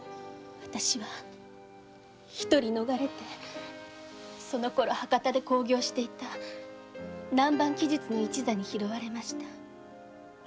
わたしは一人逃れてそのころ博多で興行していた南蛮奇術の一座に拾われました。